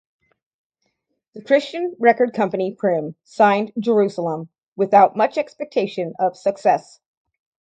The Christian record company Prim signed Jerusalem, without much expectation of success.